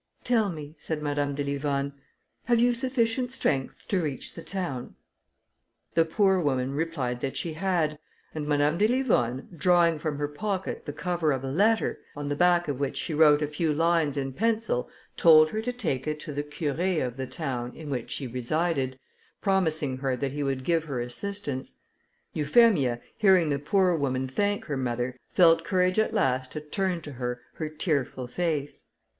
"Tell me," said Madame de Livonne, "have you sufficient strength to reach the town?" The poor woman replied that she had, and Madame de Livonne, drawing from her pocket the cover of a letter, on the back of which she wrote a few lines in pencil, told her to take it to the Curé of the town in which she resided, promising her that he would give her assistance. Euphemia, hearing the poor woman thank her mother, felt courage at last to turn to her her tearful face.